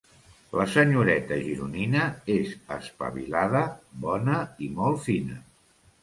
La senyoreta gironina és espavilada, bona i molt fina.